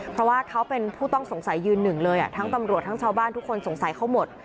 เพราะว่าเขาเป็นผู้ต้องสงสัยยืนหนึ่งเลยทั้งตำรวจทั้งชาวบ้านทุกคนสงสัยเขาหมด